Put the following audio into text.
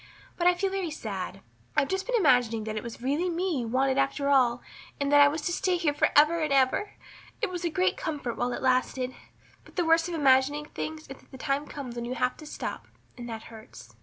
But I feel very sad. I've just been imagining that it was really me you wanted after all and that I was to stay here for ever and ever. It was a great comfort while it lasted. But the worst of imagining things is that the time comes when you have to stop and that hurts."